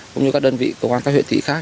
cũng như các đơn vị cơ quan các huyện thị khác